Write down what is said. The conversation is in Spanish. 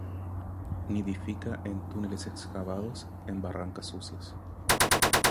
Nidifica en túneles excavados en barrancas sucias.